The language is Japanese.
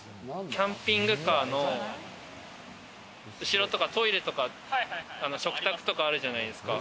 キャンピングカーの後ろとかトイレとか食卓とかあるじゃないですか。